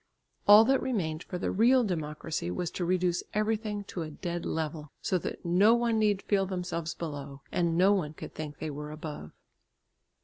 All that remained for the real democracy was to reduce everything to a dead level, so that no one need feel themselves below, and no one could think they were above.